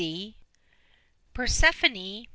Persephone!